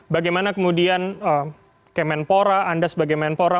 bagaimana kemudian kemenpora andas bagemempora